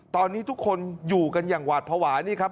ตอนนี้ทุกคนอยู่กันอย่างหวาดภาวะนี่ครับ